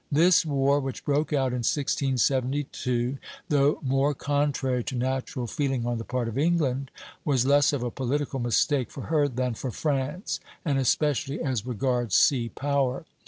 This war, which broke out in 1672, though more contrary to natural feeling on the part of England, was less of a political mistake for her than for France, and especially as regards sea power.